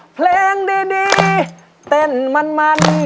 เพลงดีเต้นมัน